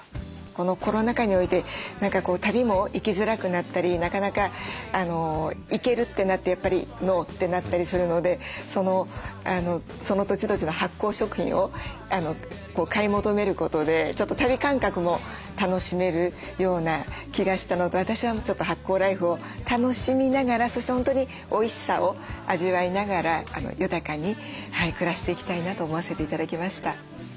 このコロナ渦において何か旅も行きづらくなったりなかなか行けるってなってやっぱりノーってなったりするのでその土地土地の発酵食品を買い求めることでちょっと旅感覚も楽しめるような気がしたのと私はちょっと発酵ライフを楽しみながらそして本当においしさを味わいながら豊かに暮らしていきたいなと思わせて頂きました。